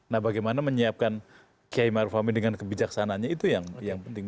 nah bagaimana menyiapkan kiai maruf amin dengan kebijaksananya itu yang penting